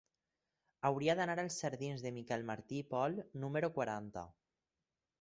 Hauria d'anar als jardins de Miquel Martí i Pol número quaranta.